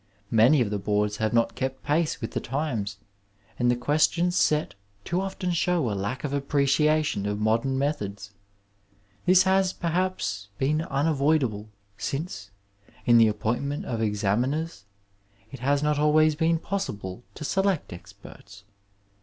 Many of the boards have not kept pace with the times, and the ques tions set too often show a lack of appreciation of modem methods. This has, perhaps, been unavoidable since, in the appointment of examiners, it has not always been possible to select experts.